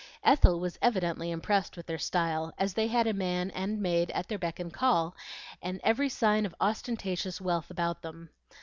Ethel was evidently impressed with their style, as they had a man and maid at their beck and call, and every sign of ostentatious wealth about them.